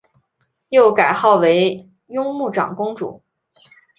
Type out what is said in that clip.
又改号为雍穆长公主。